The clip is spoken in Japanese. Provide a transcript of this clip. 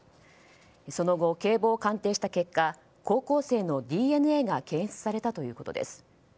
その後、警棒を鑑定した結果高校生のＤＮＡが検出されたということです。